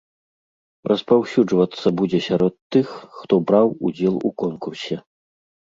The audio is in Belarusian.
Распаўсюджвацца будзе сярод тых, хто браў удзел у конкурсе.